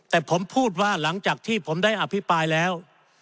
แต่ผมพูดว่าหลังจากที่ผมได้อภิปรายแล้ว